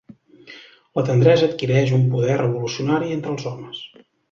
La tendresa adquireix un poder revolucionari entre els homes.